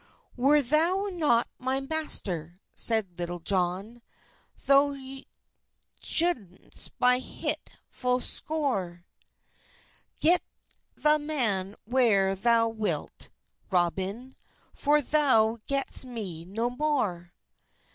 "Were thou not my maister," seid Litulle Johne, "Thou shuldis by hit ful sore; Get the a man where thou wilt, Robyn, For thou getes me no more."